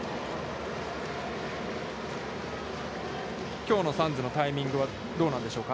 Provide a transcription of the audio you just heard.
きょうのサンズのタイミングはどうなんでしょうか。